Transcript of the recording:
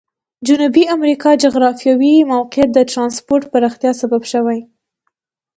جنوبي امریکا جغرافیوي موقعیت د ترانسپورت پراختیا سبب شوی.